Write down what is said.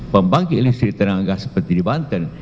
pembantik listrik tenaga gas seperti di banten